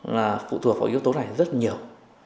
là phụ thuộc vào yếu tố này rất nhiều